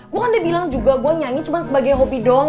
gua kan udah bilang juga gua nyanyi cuma sebagai hobi doang